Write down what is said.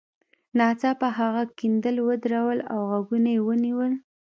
ناڅاپه هغه کیندل ودرول او غوږونه یې ونیول